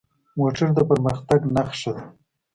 موټر د پرمختګ نښه ده.